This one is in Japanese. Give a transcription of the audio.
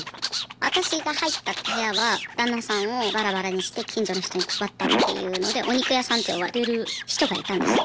私が入った部屋は旦那さんをバラバラにして近所の人に配ったっていうのでお肉屋さんって呼ばれてる人がいたんですね。